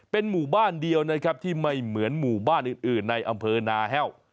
เป็นหมู่บ้านเดียวนะครับที่ไม่เหมือนหมู่บ้านอื่นในอำเภอนาแห้ว